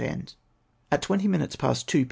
At twenty minutes past two p.